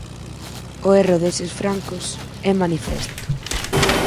O erro deses Francos é manifesto.